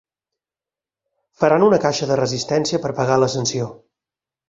Faran una caixa de resistència per pagar la sanció